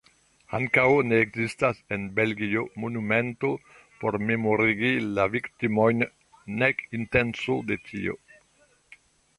Ankaŭ ne ekzistas en Belgio monumento por memorigi la viktimojn, nek intenco de tio.